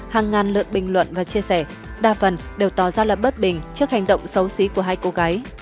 hàng ngàn lượt bình luận và chia sẻ đa phần đều tỏ ra là bất bình trước hành động xấu xí của hai cô gái